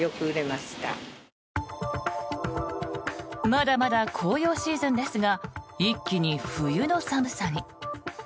まだまだ紅葉シーズンですが一気に冬の寒さに。